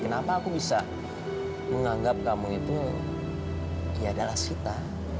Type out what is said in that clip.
kenapa aku bisa menganggap kamu itu ya adalah kita